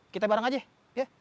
kita bareng aja ya